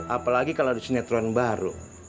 apalagi kalau ada sinetron baru